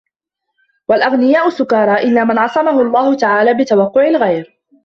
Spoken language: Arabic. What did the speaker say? وَالْأَغْنِيَاءُ سُكَارَى إلَّا مَنْ عَصَمَهُ اللَّهُ تَعَالَى بِتَوَقُّعِ الْغِيَرِ